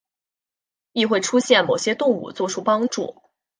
亦会出现某些动物作出帮助。